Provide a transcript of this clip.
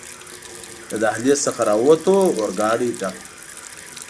له دهلېز څخه راووتو، اورګاډی ډک و.